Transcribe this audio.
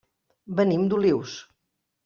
Venim d'Olius.